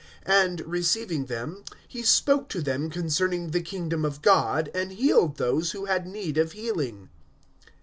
And receiving them, he spoke to them concerning the kingdom of God, and healed those who had need of healing.